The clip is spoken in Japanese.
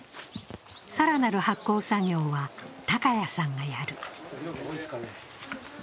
更なる発酵作業は高谷さんがやる。